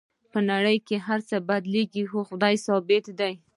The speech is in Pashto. په نړۍ کې هر څه بدلیږي خو خدای ثابت دی